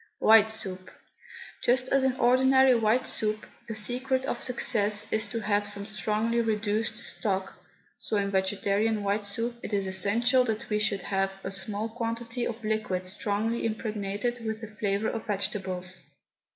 WHITE SOUP. Just as in ordinary white soup the secret of success is to have some strongly reduced stock, so in vegetarian white soup it is essential that we should have a small quantity of liquid strongly impregnated with the flavour of vegetables.